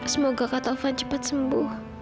semoga katovan cepat sembuh